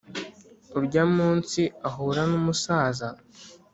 urya munsi ahura n'umusaza